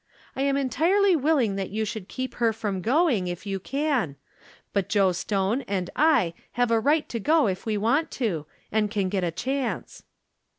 I am entirely willing that you should keep her from going, if you can ; but Joe Stone and I have a right to go if we want to, and can get a chance."